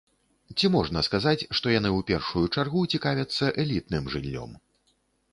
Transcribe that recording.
Ці можна сказаць, што яны ў першую чаргу цікавяцца элітным жыллём?